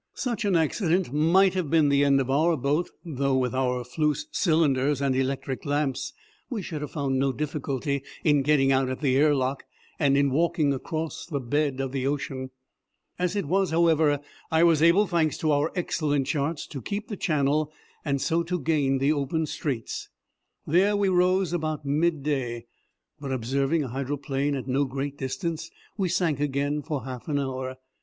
Such an accident might have been the end of our boat, though with our Fleuss cylinders and electric lamps we should have found no difficulty in getting out at the air lock and in walking ashore across the bed of the ocean. As it was, however, I was able, thanks to our excellent charts, to keep the channel and so to gain the open straits. There we rose about midday, but, observing a hydroplane at no great distance, we sank again for half an hour.